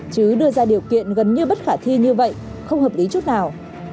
chứ đưa ra điều kiện gần như bất khả thi như vậy không hợp lý chút nào